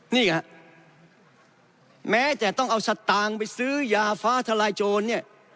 นี่ไงครับแม้แต่ต้องเอาสัตว์ต่างไปซื้อยาฟ้าทลายโจรเนี่ย